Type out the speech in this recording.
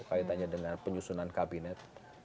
kaitannya dengan penyusunan kabinet